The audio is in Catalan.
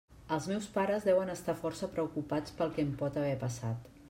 Els meus pares deuen estar força preocupats pel que em pot haver passat.